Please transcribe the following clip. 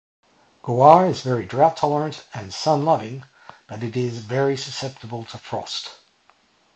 Guar is very drought-tolerant and sun-loving, but it is very susceptible to frost.